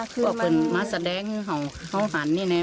เป็นม้าแสดงของพระอาหารเนี่ยเนี่ย